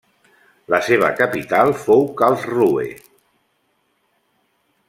La seva capital fou Karlsruhe.